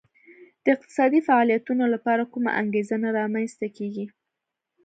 د اقتصادي فعالیتونو لپاره کومه انګېزه نه رامنځته کېږي